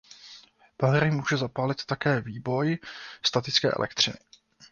Páry může zapálit také výboj statické elektřiny.